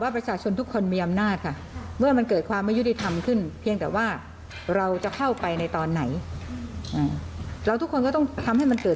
ปั๊บมันนิติเวทย์บอกว่าไม่ได้แค่แถลงก็แล้วแต่ญาติว่ายังไง